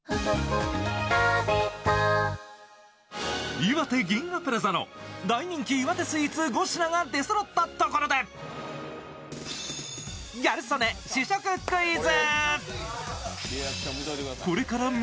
いわて銀河プラザの大人気岩手スイーツ５品が出そろったところでギャル曽根試食クイズ。